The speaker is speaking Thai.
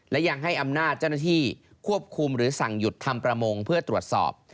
และยังให้อำนาจเจ้าหน้าที่ควบคุมหรือสั่งหยุดทำประมงเพื่อตรวจสอบ